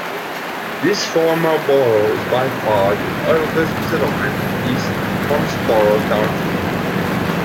This former borough is by far the oldest settlement of East Pennsboro Township.